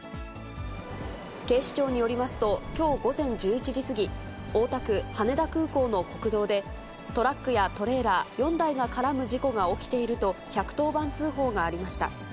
警視庁によりますと、きょう午前１１時過ぎ、大田区羽田空港の国道で、トラックやトレーラー、４台が絡む事故が起きていると１１０番通報がありました。